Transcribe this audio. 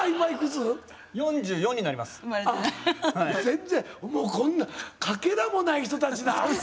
全然もうこんなかけらもない人たちだ。